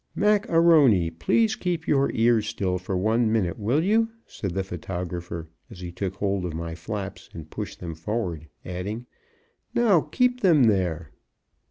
"Mac A'Rony, please keep your ears still for one moment, will you?" said the photographer, as he took hold of my flaps and pushed them forward, adding, "Now keep them there."